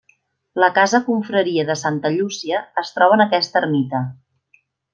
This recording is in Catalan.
La Casa Confraria de Santa Llúcia es troba en aquesta ermita.